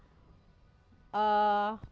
dengan harapan mereka bisa